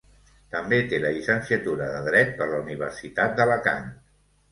També té la llicenciatura de dret per la Universitat d'Alacant.